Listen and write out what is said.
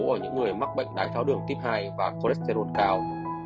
ở những người mắc bệnh đái tháo đường tuyếp hai và cholesterol cao